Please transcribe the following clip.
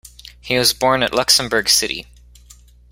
He was born at Luxembourg City.